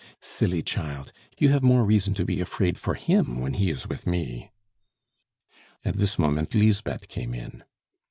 "Silly child! you have more reason to be afraid for him when he is with me." At this moment Lisbeth came in.